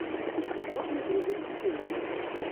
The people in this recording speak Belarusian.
З кожнай дробяззю лезлі.